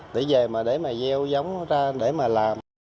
để về mà để mà gieo giống ra để mà làm